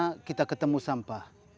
di mana kita ketemu sampah